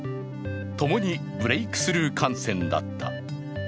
共にブレークスルー感染だった。